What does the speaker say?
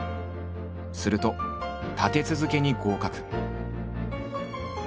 すると立て続けに合格。